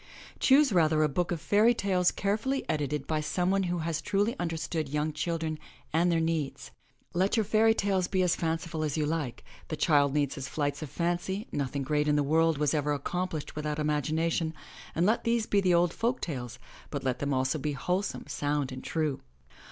Choose rather a book of fairy tales carefully edited by someone who has truly understood young children and their needs. Let your fairy tales be as fanciful as you like — the child needs his flights of fancy; nothing great in the world was ever accomplished without imagination, and let these be the old folk tales, but let them be also wholesome, sound and true.